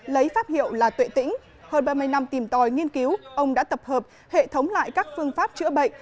lấy pháp hiệu là tuệ tĩnh hơn ba mươi năm tìm tòi nghiên cứu ông đã tập hợp hệ thống lại các phương pháp chữa bệnh